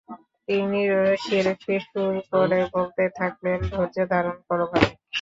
তিনি রসিয়ে রসিয়ে সুর করে বলতে থাকলেন, ধৈর্য ধারণ করেন ভাবি।